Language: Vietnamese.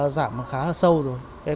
giảm khá là sâu rồi